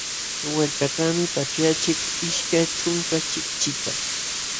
Wallpakaqmi paćhyaqchik ishkay ćhunka chipchita.